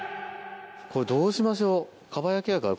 これどうしましょう？